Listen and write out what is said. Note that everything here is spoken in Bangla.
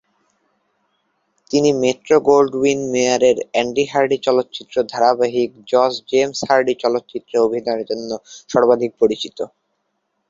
তিনি মেট্রো-গোল্ডউইন-মেয়ারের অ্যান্ডি হার্ডি চলচ্চিত্র ধারাবাহিক জজ জেমস হার্ডি চরিত্রে অভিনয়ের জন্য সর্বাধিক পরিচিত।